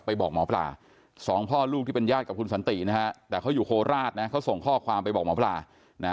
บอกหมอปลาสองพ่อลูกที่เป็นญาติกับคุณสันตินะฮะแต่เขาอยู่โคราชนะเขาส่งข้อความไปบอกหมอปลานะ